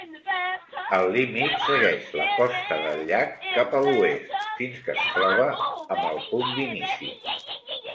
El límit segueix la costa del llac cap a l'oest fins que es troba amb el punt d'inici.